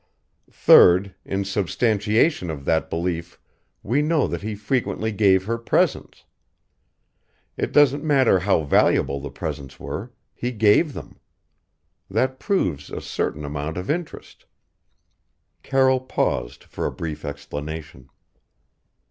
Third, in substantiation of that belief we know that he frequently gave her presents. It doesn't matter how valuable the presents were he gave them. That proves a certain amount of interest." Carroll paused for a brief explanation.